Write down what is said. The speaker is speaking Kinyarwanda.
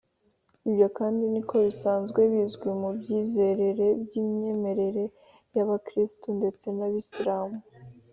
ibyo kandi niko bisanzwe bizwi mu byizerere n’imyemerere y’abakristo ndetse n’abayisilamu